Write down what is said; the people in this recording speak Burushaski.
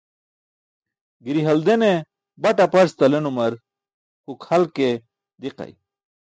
Giri haldene bat aparc talenumar huk hal ke diqay.